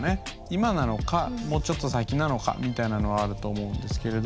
今なのかもうちょっと先なのかみたいなのはあると思うんですけれども。